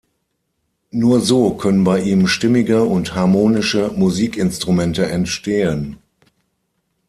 Nur so können bei ihm stimmige und harmonische Musikinstrumente entstehen.